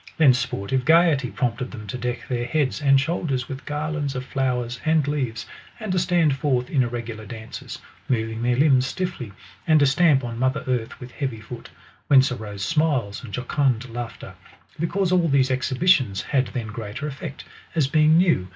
Then sportive gaiety prompted them to deck their heads and shoulders with garlands of flowers and leaves, and to stand forth in irregular dances, moving their limbs stiffly, and to stamp on mother earth with heavy foot ; whence arose smiles and jocund laughter, because all these exhibitions had then greater effect, as being new and wonderful.